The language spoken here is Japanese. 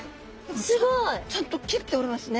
すごい！ちゃんと切れておりますね！